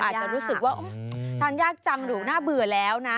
อาจจะรู้สึกว่าทานยากจังดุน่าเบื่อแล้วนะ